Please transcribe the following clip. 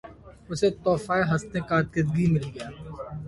اسے تحفہِ حسنِ کارکردگی مل گیا